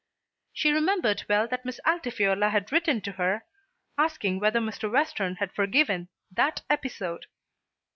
She remembered well that Miss Altifiorla had written to her, asking whether Mr. Western had forgiven "that episode."